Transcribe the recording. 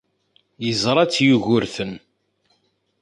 Yeẓra-tt Yugurten.